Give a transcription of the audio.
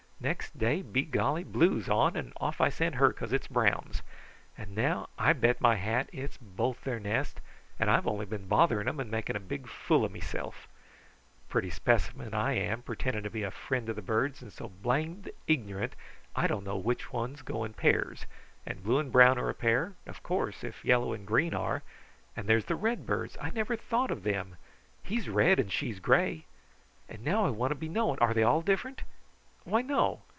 Next day, be golly, blue's on, and off I send her because it's brown's; and now, I bet my hat, it's both their nest and I've only been bothering them and making a big fool of mesilf. Pretty specimen I am, pretending to be a friend to the birds, and so blamed ignorant I don't know which ones go in pairs, and blue and brown are a pair, of course, if yellow and green are and there's the red birds! I never thought of them! He's red and she's gray and now I want to be knowing, are they all different? Why no!